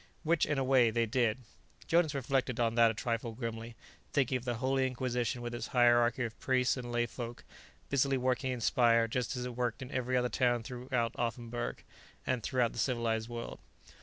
Which, in a way, they did. Jonas reflected on that a trifle grimly, thinking of the Holy Inquisition with its hierarchy of priests and lay folk, busily working in Speyer just as it worked in every other town throughout Offenburg, and throughout the civilized world.